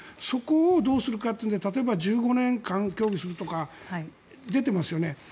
そこをどうするかというので例えば１５年間協議するとか出てますよね。